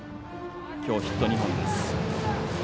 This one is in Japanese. きょうヒット２本です。